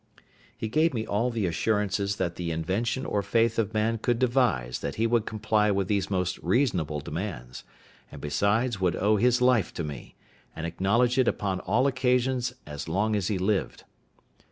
He gave me all the assurances that the invention or faith of man could devise that he would comply with these most reasonable demands, and besides would owe his life to me, and acknowledge it upon all occasions as long as he lived.